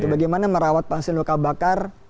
bagaimana merawat pasien luka bakar